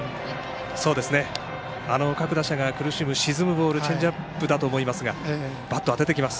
各打者が苦しむ沈むボール、チェンジアップだと思いますがバット、当ててきます。